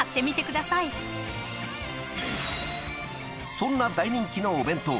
［そんな大人気のお弁当］